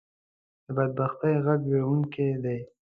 د بدبختۍ غږ وېرونکې دی